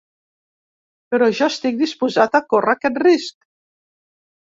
Però jo estic disposat a córrer aquest risc.